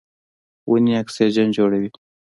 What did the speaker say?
ونې اکسیجن جوړوي.